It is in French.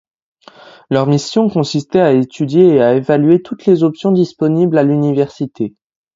Leur mission consistait à étudier et à évaluer toutes les options disponibles à l'Université.